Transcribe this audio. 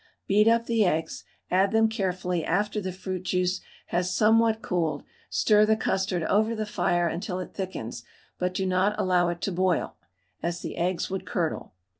Beat up the eggs, add them carefully after the fruit juice has somewhat cooled; stir the custard over the fire until it thickens, but do not allow it to boil, as the eggs would curdle.